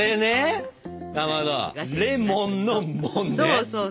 そうそう。